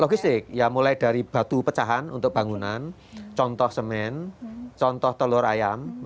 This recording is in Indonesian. logistik ya mulai dari batu pecahan untuk bangunan contoh semen contoh telur ayam